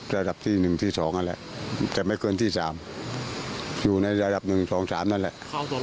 ระดับที่หนึ่งที่สองนั่นแหละแต่ไม่เกินที่สามอยู่ในระดับหนึ่งสองสามนั่นแหละ